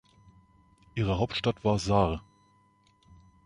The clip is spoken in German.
Ihre Hauptstadt war Sarh.